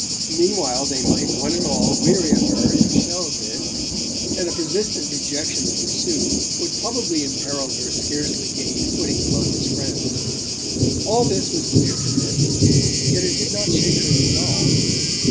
Meanwhile, they might one and all weary of her if Chelles did; and a persistent rejection of his suit would probably imperil her scarcely gained footing among his friends. All this was clear to her, yet it did not shake her resolve.